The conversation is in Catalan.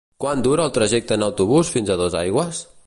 Quant dura el trajecte en autobús fins a Dosaigües?